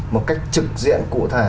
một cách trực diện cụ thể